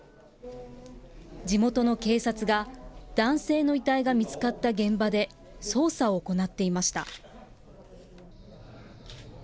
地元の警察が、男性の遺体が見つかった現場で、捜査を行っていました。